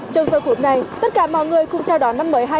trong giờ khổ này tất cả mọi người cùng chào đón năm mới